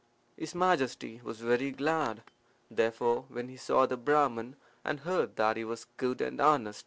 His Majesty was very glad, therefore, when he saw the Brahman and heard that he was good and honest.